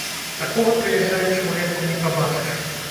Такога, прыязджаючы ўлетку, не пабачыш.